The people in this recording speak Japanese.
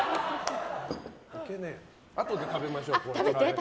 あとで食べましょう。